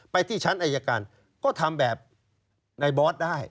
ไปที่ชั้นอายการก็ทำแบบในบอสได้